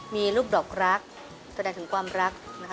มีรูปดอกรักแต่ได้ถึงความรัก